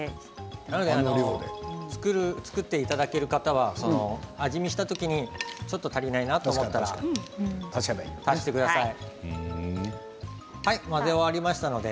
作っていただける方は味見した時にちょっと足りないなと思ったら足してください。